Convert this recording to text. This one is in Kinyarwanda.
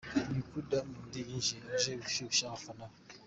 Ni uku Diamond yinjiye aje gushyushya abafana be.